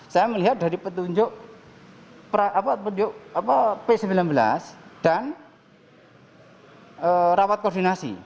saya melihat dari petunjuk p sembilan belas dan rawat koordinasi